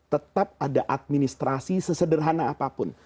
tetap ada administrasi sesederhana apapun